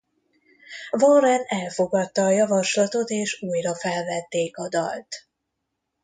Warren elfogadta a javaslatot és újra felvették a dalt.